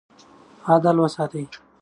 عدل وساتئ.